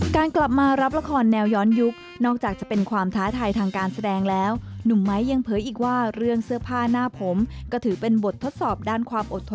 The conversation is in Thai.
การกลับมารับละครแนวย้อนยุค